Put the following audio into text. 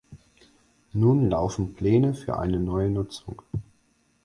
Nun laufen Pläne für eine neue Nutzung.